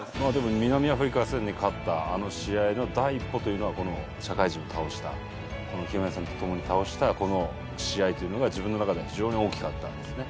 南アフリカ戦に勝ったあの試合の第一歩というのはこの社会人を倒した清宮さんと共に倒したこの試合というのが自分の中では非常に大きかったんですね。